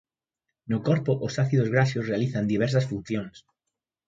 No corpo os ácidos graxos realizan diversas funcións.